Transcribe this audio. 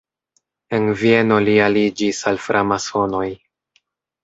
En Vieno li aliĝis al framasonoj.